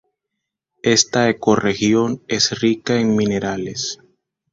Esta ecorregión es rica en minerales.